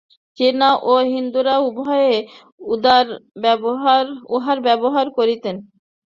চীনা ও হিন্দুরা উভয়েই উহার ব্যবহার করিতেন।